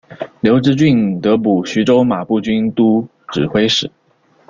刘知俊得补徐州马步军都指挥使。